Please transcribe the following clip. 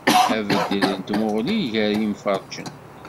Abeddel n tmuɣli gar yimferǧen.